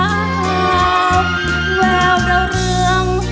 ทายมาทายไปท้องขยายขึ้นมา